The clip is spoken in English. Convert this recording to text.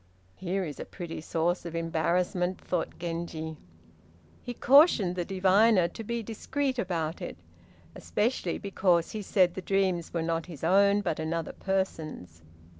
"Here is a pretty source of embarrassment," thought Genji. He cautioned the diviner to be discreet about it, especially because he said the dreams were not his own but another person's.